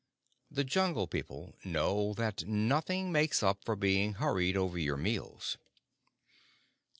The Jungle People know that nothing makes up for being hurried over your meals.